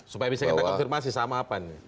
supaya bisa kita konfirmasi sama apa nih